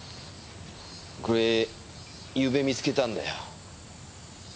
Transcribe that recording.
これゆうべ見つけたんだよ。